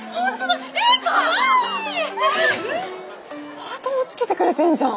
ハートもつけてくれてんじゃん！